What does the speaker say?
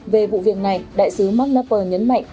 về vụ việc này đại sứ mark knapper nhấn mạnh